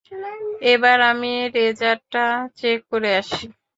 এবার আমি লেজারটা চেক করে আসি।